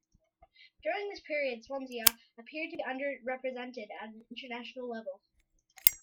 During this period Swansea appeared to be under-represented at international level.